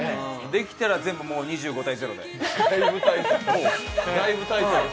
できたら全部２５−０で。